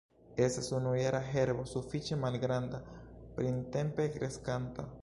Estas unujara herbo sufiĉe malgranda, printempe kreskanta.